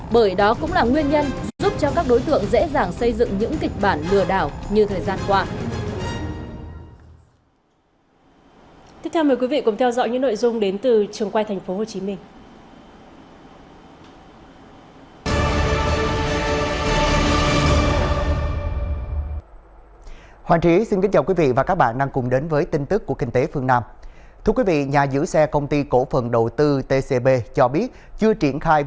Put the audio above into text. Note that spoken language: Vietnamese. bởi đó cũng là nguyên nhân giúp cho các đối tượng dễ dàng xây dựng những kịch bản lừa đảo như thời gian qua